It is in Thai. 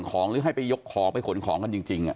หรือให้ไปยกของไปขนของกันจริง